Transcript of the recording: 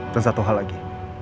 dan satu hal lagi